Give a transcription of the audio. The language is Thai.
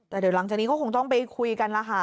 แต่เดี๋ยวหลังจากนี้ก็คงต้องไปคุยกันแล้วค่ะ